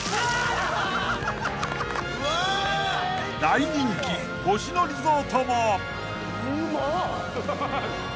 ［大人気星野リゾートも］